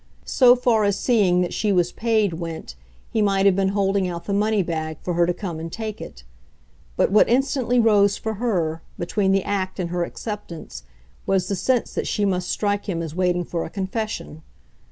So far as seeing that she was "paid" went, he might have been holding out the money bag for her to come and take it. But what instantly rose, for her, between the act and her acceptance was the sense that she must strike him as waiting for a confession.